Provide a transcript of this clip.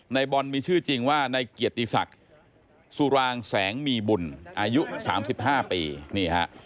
ในบอลมีชื่อจริงว่าในเกียรติศักดิ์สุรางแสงมีบุญอายุ๓๕ปีนี่ฮะ